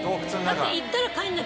だって。